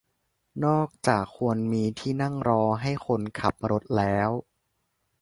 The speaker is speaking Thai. นอกจากควรมีที่นั่งรอให้คนขับรถแล้ว